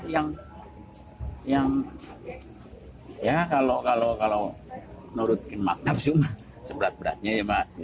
yang ya kalau menurutkin makna cuma seberat beratnya ya